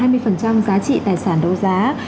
giá trị tài sản đấu giá